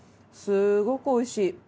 すごくおいしい。